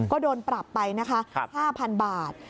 ก็โดนปรับไป๕๐๐๐บาท